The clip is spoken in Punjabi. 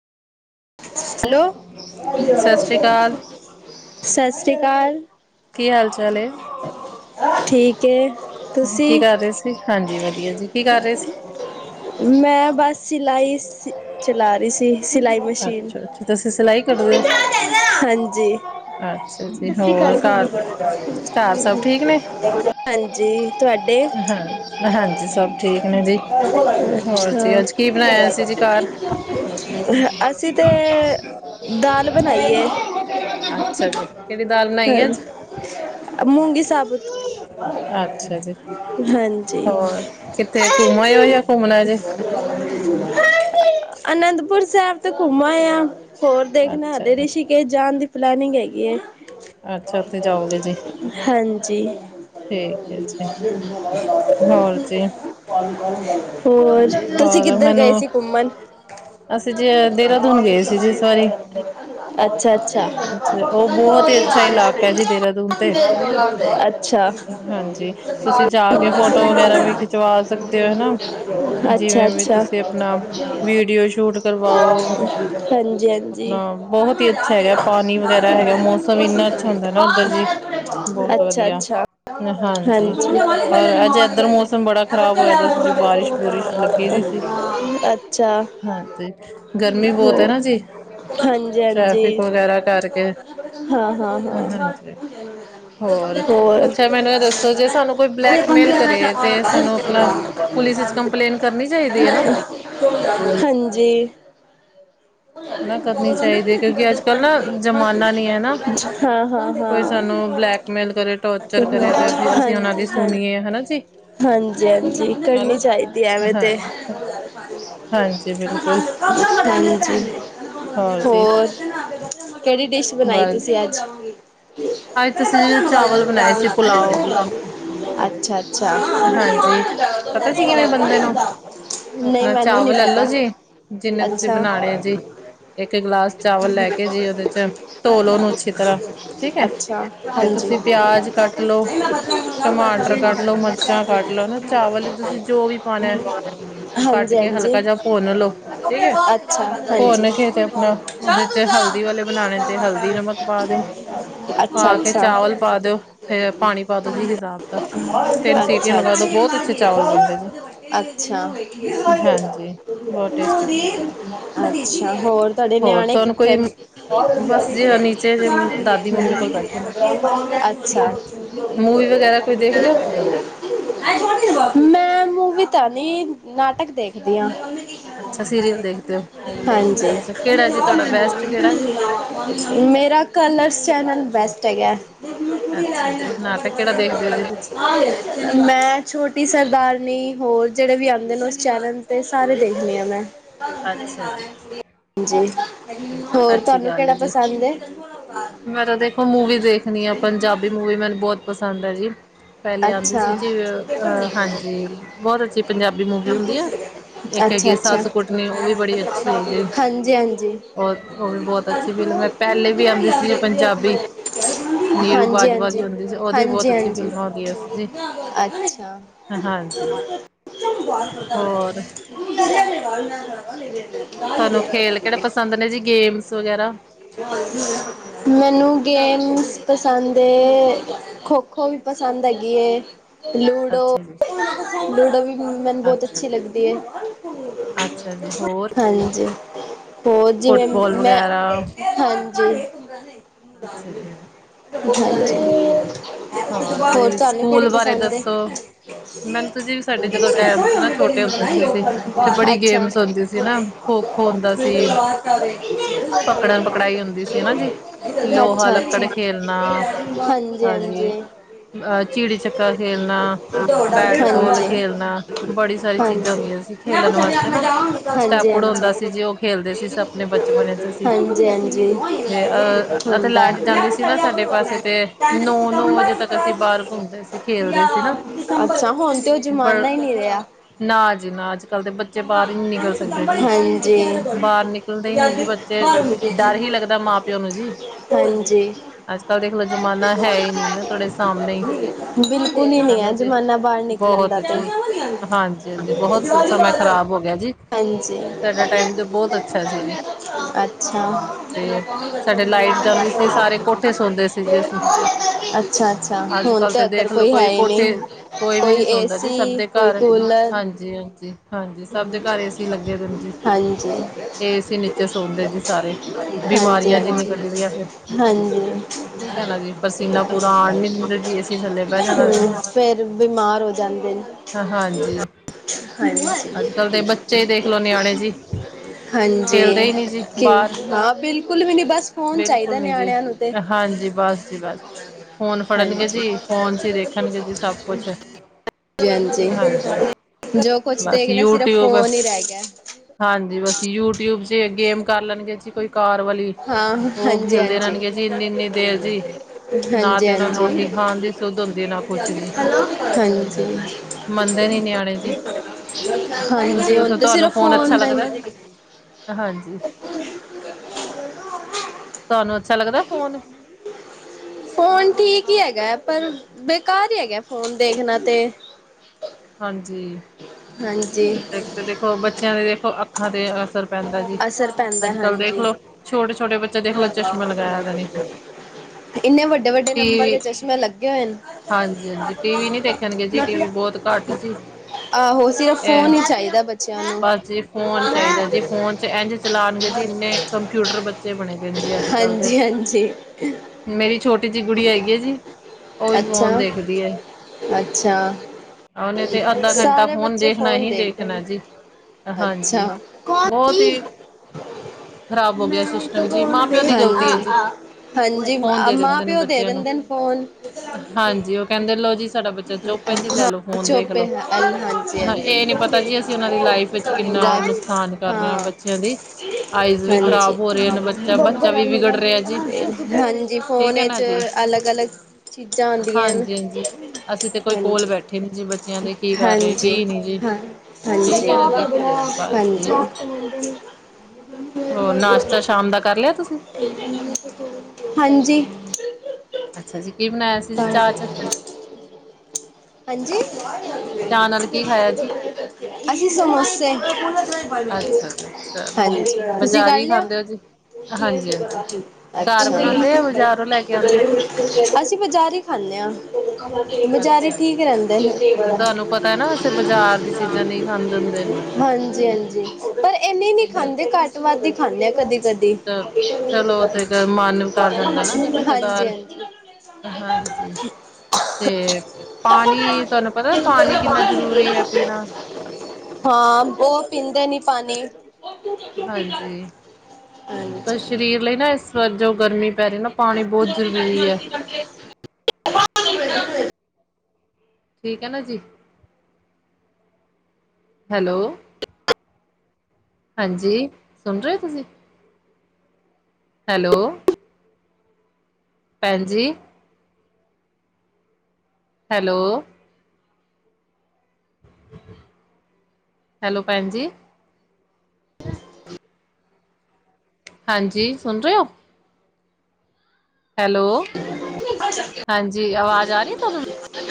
ਹੈਲੋ, ਸਤਿ ਸ੍ਰੀ ਅਕਾਲ। ਕੀ ਹਾਲ ਚਾਲ ਏ। ਕੀ ਕਰ ਰਹੇ ਸੀ? ਹਾਂਜੀ ਵਧੀਆ ਜੀ ਕੀ ਕਰ ਰਹੇ ਸੀ? ਮੈਂ ਬਸ ਸਿਲਾਈ ਚਲਾ ਰਹੀ ਸੀ। ਸਿਲਾਈ। ਹਾਂਜੀ। ਹਾਂਜੀ ਤੁਹਾਡਾ। ਅੱਛਾ। ਅਸੀਂ ਤੇ। ਦਾਲ ਬਨਾਈਏ। ਹਾਂਜੀ ਮੂੰਗੀ ਸਾਬਤ। ਹਾਂਜੀ। ਅਨੰਦਪੁਰ ਸਾਹਿਬ ਤੇ ਘੁੰਮ ਆਏ ਆਂ, ਹੋਰ ਦੇਖਨੇ ਹਲੇ ਰਿਸ਼ੀ ਕੇਸ਼ ਜਾਨ ਦੀ ਪਲੈਨਿੰਗ ਹੈਗੀ ਏ। ਹਾਂਜੀ। [inaudible] [inaudible] ਹੋਰ ਤੁਸੀਂ ਕਿੱਧਰ ਗਏ ਸੀ ਘੁੰਮਣ। ਅੱਛਾ, ਅੱਛਾ। ਅੱਛਾ। ਅੱਛਾ। ਅੱਛਾ-ਅੱਛਾ, ਹਾਂਜੀ-ਹਾਂਜੀ। ਅੱਛਾ, ਅੱਛਾ। ਹਾਂਜੀ। ਅੱਛਾ। ਹਾਂਜੀ, ਹਾਂਜੀ। ਹਾਂ, ਹਾਂ, ਹਾਂ ਹੋਰ? [unintelligible] ਹਂਜੀ। ਹਨਾ ਕਰਨੀ ਚਾਹੀਦੀ ਹੈ। ਕਿਉਕਿ ਅੱਜ-ਕੱਲ੍ਹ ਨਾ ਜ਼ਮਾਨਾ ਨੀ ਹੈ ਨਾ ਕੋਈ ਸਾਨੂੰ ਬਲੈਕਮੇਲ ਕਰੇ, ਟੋਰਚਰ ਕਰੇ ਤੇ ਅਸੀਂ ਉਹਨਾ ਸੁਣੀਏ ਹਨਾ ਜੀ। ਹਾਂਜੀ, ਹਾਂਜੀ ਕਰਨੀ ਚਾਹੀਦੀ ਐਵੇਂ ਤੇ ਹਾਂਜੀ। ਹੋਰ ਕਿਹੜੀ ਡਿਸ਼ ਬਨਾਈ ਤੁਸੀਂ ਅੱਜ? ਅੱਛਾ। ਅੱਛਾ। ਨਈ ਮੈਨੂੰ ਨੀ ਪਤਾ ਅੱਛਾ। ਏਕ ਗਲਾਸ ਚਾਵਲ ਲੈ ਕੇ ਜੇ ਉਹਦੇ ਧੋ ਲਓ ਉਹਨੂੰ ਅੱਛੀ ਤਰ੍ਹਾਂ ਠੀਕ ਹੈ, ਫੇਰ ਤੁਸੀਂ ਪਿਆਜ ਕੱਟ ਲੋ ਟਮਾਟਰ ਕੱਟ ਲਓ, ਮਿਰਚਾਂ ਕੱਟ ਲਓ ਹਨ ਚਾਵਲ ਚ ਤੁਸੀਂ ਜੋ ਵੀ ਪਾਨੈ। ਉਹ ਕੱਟ ਕੇ ਹਲਕਾ ਜਾ ਭੁੰਨ ਲੋੋ ਠੀਕ ਹੈ। ਭੁਨ ਕੇ ਤੇ ਫੇਰ ਉਹਦੇ ਚ ਹਲਦੀ ਵਾਲੇ ਬਣਾਣੇ ਤੇ ਹਲਦੀ ਨਮਕ ਪਾ ਦੇਓ। ਪਾ ਕੇ ਚਾਵਲ ਪਾ ਦਿਓ ਫੇਰ ਪਾਣੀ ਪਾਦੋ ਜੀ। ਹਿਸਾਬ ਦਾ ਤਿੰਨ ਸੀਟੀਆਂ ਲਗਾ ਦੋ। ਬੋਤ ਅੱਛੇ ਚਾਵਲ ਬਨਦੇ ਜੇ ਅੱਛਾ-ਅੱਛਾ ਹੋਰ ਤੁਹਾਡੇ ਨਿਆਣੇ ਕਿੱਥੇ ਨ? ਅੱਛਾ। ਮੂਵੀ ਵਗੈਰਾ ਕੋਈ ਦੇਖਦੇ ਹੋ? ਮੈਂ ਮੂਵੀ ਤਾਂ ਨੀ ਨਾਟਕ ਦੇਖਦੀ ਆਂ। ਹਂਜੀ। ਮੇਰਾ ਕਲਰਸ ਚੈਨਲ ਬੈਸਟ ਹੈਗੈ। [inaudible] ਮੈਂ ਛੋਟੀ ਸਰਦਾਰਨੀ ਹੋ ਜਿਹੜੇ ਵੀ ਆਂਦੇ ਨੇ ਉਸ ਚੈਨਲ ਤੇ ਸਾਰੇ ਦੇਖਦੀ ਹਾਂ ਮੈਂ ਹਾਂਜੀ। ਹੋਰ ਤੁਹਾਨੂੰ ਕਿਹੜਾ ਪਸੰਦ ਏ। ਮੈਂ ਤਾਂ ਦੇਖੋ ਮੂਵੀ ਦੇਖਣੀ ਆ ਪੰਜਾਬੀ ਮੂਵੀ ਮੈਨੂੰ ਬਹੁਤ ਪਸੰਦ ਹੈ ਜੀ। ਪਹਿਲੇ ਆਉਂਦੇ ਸੀ ਜੀ ਅ ਹਾਂਜੀ ਬਹੁਤ ਅੱਛੀ ਪੰਜਾਬੀ ਮੂਵੀ ਹੁੰਦੀ ਆ। ਇੱਕ ਹੈਗੀ ਸੱਸ ਕੁੱਟਣੀ ਉਹ ਵੀ ਬੜੀ ਅੱਛੀ ਹੈ ਜੀ। ਬ ਉਹ ਵੀ ਬਹੁਤ ਅੱਛੀ ਫਿਲਮ ਹੈ ਪਹਿਲੇ ਵੀ ਆਉਂਦੀ ਸੀ ਜੀ ਪੰਜਾਬੀ ਨੀਰੂ ਬਾਜਵਾ ਜੀ ਹੁੰਦੀ ਸੀ ਉਹਦੀ ਵੀ ਬਹੁਤ ਅੱਛੀ ਫਿਲਮਾਂ ਹੁੰਂਦੀਆਂ ਸੀ ਜੀ ਹਾਂਜੀ। [unintelligible] ਤੁਹਾਨੂੰ ਖੇਲ ਕਿਹੜੇ ਪਸੰਦ ਨੇ ਜੀ ਗੇਮਸ ਵਗੈਰਾ ਮੈਨੂੰ ਗੇਮ ਪਸੰਦ ਖੋ-ਖੋ ਵੀ ਪਸੰਦ ਹੈਗੀ ਏ। ਲੂਡੋ -ਲੂਡੋ ਵੀ ਮੈਨੂੰ ਬਹੁਤ ਅੱਛੀ ਲੱਗਦੀ ਏ। ਅੱਛਾ ਜੀ ਹੋਰ ਹੋਰ ਜਿਵੇਂ ਮੈਂ ਹਾਂ। [inaudible] ਹੋਰ ਤੁਹਾਨੂੰ ਕਿਹੜੀ ਪਸੰਦ ਏ। [inaudible] ਅੱਛਾ ਅੱਛਾ -ਅੱਛਾ ਹਾਂਜੀ -ਹਾਂਜੀ ਹਾਂਜੀ -ਹਾਂਜੀ ਹਾਂਜੀ- ਹਾਂਜੀ- [inaudible] ਹਾਂਜੀ ਹਾਂਜੀ ਹੁੰਦਾ [inaudible] ਅੱਛਾ ਹੁਣ ਤੇ ਉਹ ਜ਼ਮਾਨਾ ਹੀ ਨੀ ਰਿਹਾ। ਹਾਂਜੀ [inaudible] [unintelligible] ਹਾਂਜੀ [inaudible] ਬਿਲਕੁਲ ਈ ਨੀ ਹੈ ਜ਼ਮਾਨਾ ਬਾਹਰ ਨਿਕਲਣ ਦਾ ਤੇ [inaudible] ਹਾਂਜੀ। ਅੱਛਾ [inaudible] ਅੱ ਅੱਛਾ-ਅੱਛਾ, ਹੁਣ ਤਾਂ ਇੱਧਰ ਕੋਈ ਹੈਈ ਨੀ ਕੋਈ ਏਸੀ ਕੋਈ ਕੂਲਰ ਹਾਂਜੀ-ਹਾਂਜੀ, ਹਾਂਜੀ [inaudible] ਹਾਂਜੀ-ਹਾਂਜੀ- ਹਾਂਜੀ। ਹੂੰ, ਫੇਰ ਬਿਮਾਰ ਹੋ ਜਾਂਦੇ ਨੇ। ਹਾਂਜੀ, ਹਾਂਜੀ, ਅੱਜ ਕੱਲ ਦੇ ਬੱਚੇ ਈ ਦੇਖਲੋ ਨਿਆਣੇ ਜੀ। ਹਾਂਜੀ, ਕੀ ਹਾਂ ਬਿਲਕੁਲ ਵੀ ਨੀ ਬਸ ਫੋਨ ਚਾਹੀਦਾ ਨਿਆਣਿਆਂ ਨੂੰ ਤੇ ਹਾਂਜੀ, ਬਸ ਜੀ ਬਸ ਫੋਨ ਫੜਨਗੇ ਜੀ ਫੋਨ ਚ ਈ ਦੇਖਣਗੇ ਜੀ ਸਭ ਕੁੱਛ ਹਾਂਜੀ-ਹਾਂਜੀ ਜੋ ਕੁੱਛ ਦੇਖ ਯੂਟਿਊਬ ਹਾਂਜੀ, ਬਸ ਯੂਟਿਊਬ 'ਚ ਗੇਮ ਕਰ ਲੈਣਗੇ ਜੀ ਕੋਈ ਕਾਰ ਵਾਲੀ ਉਹ ਖੇਲਦੇ ਰਹਿਣਗੇ ਜੀ ਇੰਨੀ ਇੰਨੀ ਦੇਰ ਜੀ। ਨਾ ਤੇ ਉਹਨਾ ਨੂੰ ਰੋਟੀ ਖਾਣ ਦੀ ਸੁਧ ਹੁੰਦੀ ਐ ਨਾ ਕੁੱਛ ਜੀ। ਮੰਨਦੇ ਨੇ ਨਿਆਣੇ ਜ ਤੁਸੀਂ ਦੱਸੋ ਤੁਹਾਨੂੰ ਫੋਨ ਅੱਛਾ ਲੱਗਦਾ ਜੀ, ਹਾਂਜੀ। ਤੁਹਾਨੂੰ ਅੱਛਾ ਲੱਗਦਾ ਫੋਨ ਫੋਨ ਠੀਕ ਈ ਹੈਗਾ, ਪਰ ਬੇਕਾਰ ਈ ਹੈਗਾ ਫੋਨ ਦੇਖਣਾ ਤੇ ਹਾਂਜੀ। ਇੱਕ ਤੇ ਦੇਖੋ ਬੱਚਿਆਂ ਦੇ ਦੇਖੋ ਅੱਖਾਂ ਤੇ ਅਸਰ ਪੈਂਦਾ ਜੀ ਅੱਜ ਕੱਲ ਦੇਖਲੋ ਛੋਟੇ ਛੋ ਛੋਟੇ ਬੱਚਾ ਦੇਖ ਲਓ ਚਸ਼ਮਾ ਲਗਾਇਆ ਇਹਨਾਂ ਨੇ। ਟੀਵੀ ਹਾਂਜੀ ਹਾਂਜੀ, ਟੀਵੀ ਨੀ ਦੇਖਣਗੇ ਜੀ ਟੀਵੀ ਬਹੁਤ ਘੱਟ ਜੀ। ਆਹੋ ਸਿਰਫ ਬਸ ਜੀ, ਫੋਨ ਚਾਹੀਦਾ ਜੀ ਫੋਨ ਚ ਇਂਝ ਚਲਾਨਗੇ ਜੀ ਇਨੇ ਕੰਪਿਊ ਬੱਚੇ ਬਣੇ ਪਏ ਨੇ ਜੀ ਅੱਜ ਕੱਲ ਤੇ ਮੇਰੀ ਛੋਟੀ ਜਿਹੀ ਗੁੜੀਆ ਹੈਗੀ ਆ ਜੀ ਉਹ ਵੀ ਫੋਨ ਦੇਖਦੀ ਐ ਉਹਨੇ ਤੇ ਅੱਧਾ ਘੰਟਾ ਫੋਨ ਦੇਖ ਣਾ ਹੀ ਦੇਖਣਾ ਜੀ ਹਾਂਜੀ ਬਹੁਤ ਹੀ। ਹੋ ਗਿਆ ਸਿਸਟਮ ਜੀ ਮਾਂ-ਪਿਓ ਦੀ ਗਲਤੀ ਐ ਜੀ। ਫੋਨ ਦੇ ਦਿੰਦੇ ਨੇ ਬੱਚਿਆਂ ਨੂੰ ਹਾਂਜੀ, ਉਹ ਕਹਿੰਦੇ ਲੋ ਜੀ ਸਾਡਾ ਬੱਚਾ ਚੁੱ [unintelligible] ਜੀ ਲੈ ਲਓ ਫੋਨ ਦੇਖ ਲਓ ਹਾਂ, ਇਹ ਨੀ ਪਤਾ ਜੀ ਅਸੀਂ ਉਹਨਾਂ ਦੀ ਲਾਈਫ ਵਿੱਚ ਕਿੰਨਾ ਨੁਕਸਾਨ [inaudible] ਕਰ ਰਿਹਾ ਬੱਚਿਆਂ ਦੀ ਆਈਜ਼ ਵੀ ਖਰਾਬ। ਹਾਂਜੀ, ਫੋਨ ਵਿਚ ਅਲਗ- ਅਲਗ। ਚੀਜ਼ਾਂ ਆਂਦੀਆਂ ਹਨ। ਹਾਂਜੀ-ਹਾਂਜੀ, ਹਾਂ ਹਾਂਜੀ। ਹਾਂਜੀ, ਹੋਰ ਨਾਸ਼ ਹਾਂਜੀ, ਅੱਛਾ ਜੀ, ਕੀ ਬਣਾਇਆ ਸੀ ਜੀ ਚਾਹ ਚ? ਚਾਹ ਨਾਲ ਕੀ ਖਾਇਆ ਜੀ? ਅਸੀਂ ਸਮੋਸੇ ਹਾਂਜੀ, ਤੁਸੀਂ ਕਰ ਲਿਆ। ਜੀ [inaudible] ਅੱਛਾ, ਅਸੀਂ ਬਜ਼ਾਰ ਹੀ ਖਾਂਨੇ ਆ। ਬਜ਼ਾਰੇ ਠੀਕ ਰਹਿੰਦੇ। ਦਿੰਦੇ ਨੇ, ਹਾਂਜੀ-ਹਾਂਜੀ, ਪਰ ਇਨੀ ਨੀ ਖਾਂਦੇ ਘੱਟ ਵੱਧ ਹੀ ਖਾਂਦੇ ਆ ਕਦੇ ਗਡੀ ਹਾਂਜੀ-ਹਾਂਜੀ, ਹਾਂਜੀ, ਤੇ ਪਾਣੀ ਤੁਹਾਨੂੰ ਪਤਾ ਪਾਣੀ ਕਿੰਨਾ ਜ਼ਰੂਰੀ ਹੈ, ਪੀਣਾ ਹਾਂ ਬਹੁਤ, ਪੀਂਦੇ ਨੀ ਪਾਣੀ, ਨਾ ਇਸ ਵਾਰ ਜੋ ਗਰਮੀ ਪੈ ਰਹੀ, ਨਾ ਪਾਣੀ ਬਹੁਤ ਜ਼ਰੂਰੀ ਹੈ। ਠੀਕ ਹੈ ਨਾ ਜੀ ਹੈਲੋ, ਹਾਂਜੀ, ਸੁਣ ਰਹੇ ਹੋ ਤੁਸੀਂ? ਹੈਲੋ ਭੈਣ ਜੀ, ਹੈਲੋ, ਹੈਲੋ ਭੈਣ ਜੀ, ਹਾਂਜੀ, ਸੁਣ ਰਹੇ ਹੋ? ਹੈਲੋ, ਹਾਂਜੀ ਆਵਾਜ਼ ਆ ਰਹੀ ਹੈ ਤੁਹਾਨੂੰ